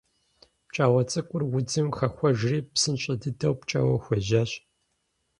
Пкӏауэ цӏыкӏур удзым хэхуэжри псынщӏэ дыдэу пкӏэуэ хуежьащ.